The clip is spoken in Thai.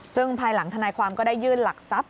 ซึ่งภายหลังทนายความก็ได้ยื่นหลักทรัพย